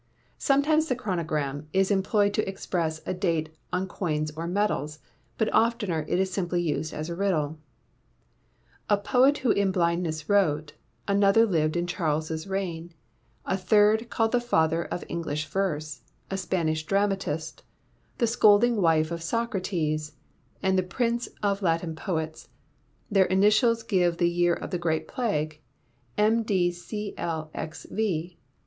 Sometimes the Chronogram is employed to express a date on coins or medals; but oftener it is simply used as a riddle: A poet who in blindness wrote; another lived in Charles's reign; a third called the father of English verse; a Spanish dramatist; the scolding wife of Socrates; and the Prince of Latin poets, their initials give the year of the Great Plague MDCLXV.